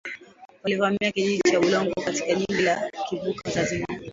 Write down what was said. walivamia kijiji cha Bulongo katika jimbo la Kivu kaskazini